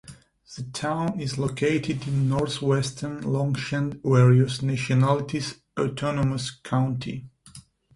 The town is located in northwestern Longsheng Various Nationalities Autonomous County.